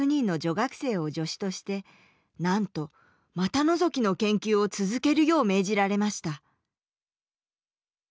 学生を助手としてなんと股のぞきの研究を続けるよう命じられました。